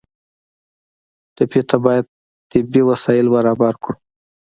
ټپي ته باید طبي وسایل برابر کړو.